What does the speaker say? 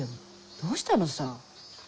どうしたのさ？